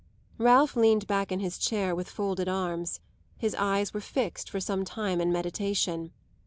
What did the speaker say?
Ralph leaned back in his chair with folded arms; his eyes were fixed for some time in meditation.